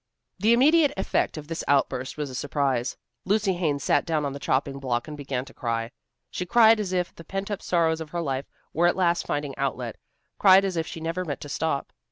The immediate effect of this outburst was a surprise. Lucy Haines sat down on the chopping block and began to cry. She cried as if the pent up sorrows of her life were at last finding outlet, cried as if she never meant to stop.